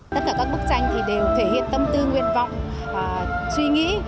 tất cả các bức tranh đều thể hiện tâm tư nguyên vọng và suy nghĩ